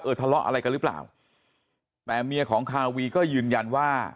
ทะเลาะอะไรกันหรือเปล่าแต่เมียของคาวีก็ยืนยันว่า